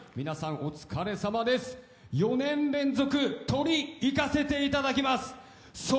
皆さん、お疲れ様です、４年連続トリいかせていただきます。